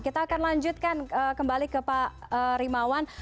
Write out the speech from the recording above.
kita akan lanjutkan kembali ke pak rimawan